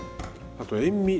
あと塩み。